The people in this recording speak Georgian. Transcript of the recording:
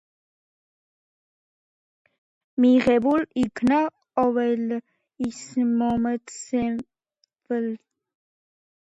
მიღებულ იქნა ყოვლისმომცველი სამშვიდობო ხელშეკრულების ხელმოწერის შემდეგ, რითაც დასრულდა სუდანის მეორე სამოქალაქო ომი.